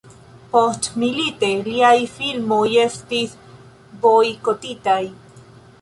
Postmilite liaj filmoj estis bojkotitaj.